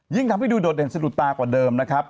ยิ่งทำให้ดูโดดเด่นสะดุดตากว่าเดิมนะครับ